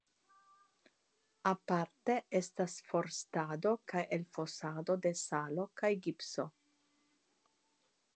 Aparte estas forstado kaj elfosado de salo kaj gipso.